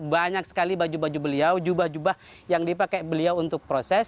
banyak sekali baju baju beliau jubah jubah yang dipakai beliau untuk proses